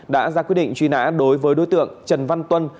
đã ra quyết định truy nã đối với đối tượng trần văn tuân